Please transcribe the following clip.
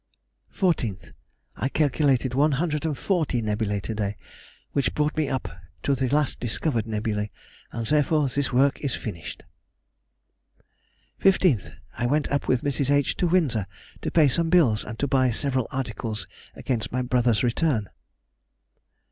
14th. ... I calculated 140 nebulæ to day, which brought me up to the last discovered nebulæ, and, therefore, this work is finished. 15th. I went up with Mrs. H. to Windsor to pay some bills and to buy several articles against my brother's return.